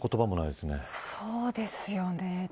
そうですよね。